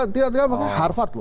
tidak tergambar harvard loh